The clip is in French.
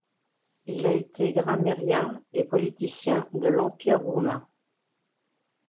Il a été grammairien et politicien de l'Empire romain.